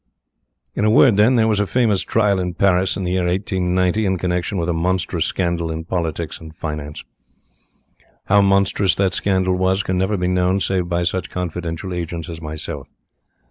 "In a word, then, there was a famous trial in Paris, in the year 1890, in connection with a monstrous scandal in politics and finance. How monstrous that scandal was can never be known save by such confidential agents as myself.